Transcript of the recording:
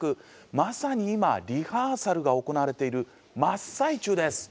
まさに今リハーサルが行われている真っ最中です。